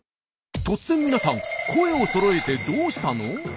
突然皆さん声をそろえてどうしたの？